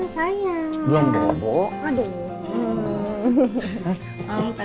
sayang belum bebek